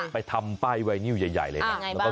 ทำป้ายไวนิวใหญ่เลยนะ